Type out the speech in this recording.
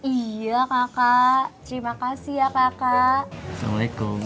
iya kakak terima kasih ya kakak assalamualaikum